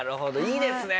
いいですね